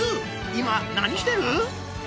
今何してる？